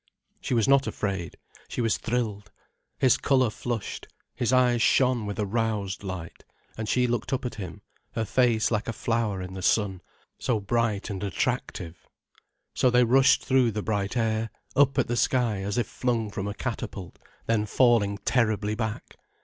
She was not afraid, she was thrilled. His colour flushed, his eyes shone with a roused light, and she looked up at him, her face like a flower in the sun, so bright and attractive. So they rushed through the bright air, up at the sky as if flung from a catapult, then falling terribly back.